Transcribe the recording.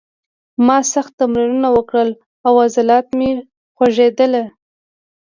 ما سخت تمرینونه وکړل او عضلات مې خوږېدل